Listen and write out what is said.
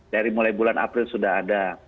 dari mulai bulan april sudah ada